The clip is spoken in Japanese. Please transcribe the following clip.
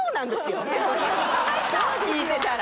聞いてたら。